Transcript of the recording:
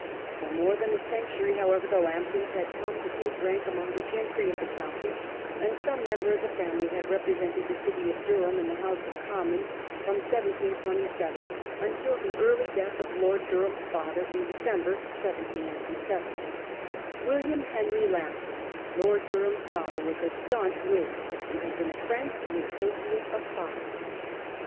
For more than a century, however, the Lambtons had come to take rank among the gentry of the county, and some member of the family had represented the city of Durham in the House of Commons from 1727 until the early death of Lord Durham's father in December 1797. William Henry Lambton, Lord Durham's father, was a staunch Whig, and had been a friend and associate of Fox.